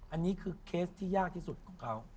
อันนี้คือเคสที่ยากเกี่ยวกับเขา